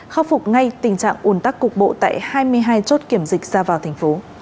khắc phục ngay tình trạng ủn tắc cục bộ tại hai mươi hai chốt kiểm dịch ra vào thành phố